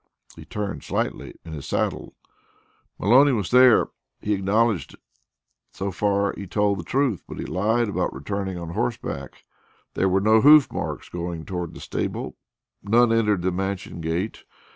He turned slightly in his saddle. "Maloney was there; he acknowledged it. So far he told the truth; but he lied about returning on horseback. There were no hoof marks going toward the stable none entered the Mansion gate.